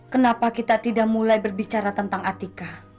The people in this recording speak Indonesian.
kenapa kita tidak mulai berbicara tentang atika